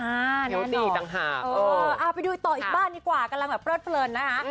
อ่าแน่นหรอกอ่าไปดูต่ออีกบ้านดีกว่ากำลังแบบเปิดเผลินนะ